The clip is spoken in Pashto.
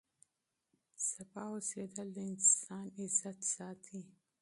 پاکي د انسان وقار ساتي.